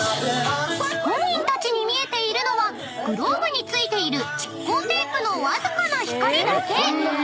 ［本人たちに見えているのはグローブに付いている蓄光テープのわずかな光だけ］